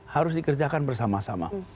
harus dikerjakan bersama sama